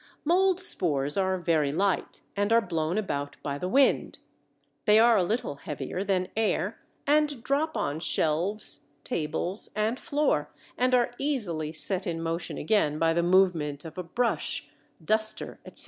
Mold spores are very light and are blown about by the wind. They are a little heavier than air, and drop on shelves, tables, and floor, and are easily set in motion again by the movement of a brush, duster, etc.